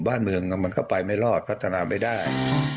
บ้านเมืองมันก็ไปไม่รอดพัฒนาไม่ได้